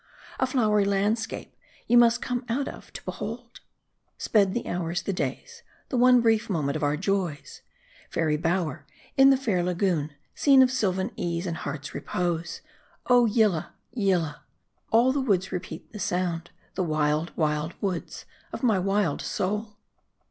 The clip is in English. A flowery landscape, you must come out of, to behold. Sped the hours, the days, the one brief moment of our joys. Fairy bower in the fair lagoon, scene of sylvan ease and heart's repose, Oh, Yillah, Yillah ! All the woods repeat the sound, the wild, wild woods of my wild soul.